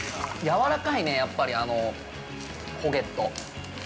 ◆やわらかいね、やっぱり、ホゲット。